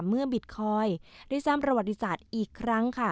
บิตคอยน์ได้สร้างประวัติศาสตร์อีกครั้งค่ะ